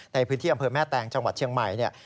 ในพื้นที่อำเภอแม่แตงจังหวัดเชียงใหม่เนี่ย